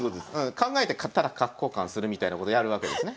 考えてただ角交換するみたいなことやるわけですね。